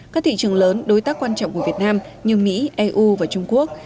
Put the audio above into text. các thị trường lớn đối tác quan trọng của việt nam như mỹ eu và trung quốc